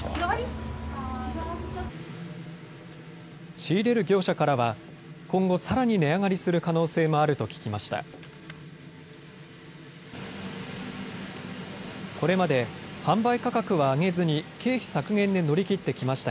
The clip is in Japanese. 仕入れる業者からは、今後さらに値上がりする可能性もあると聞きました。